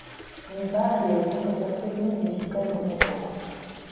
D'une part il est le concepteur technique du système de contrôle.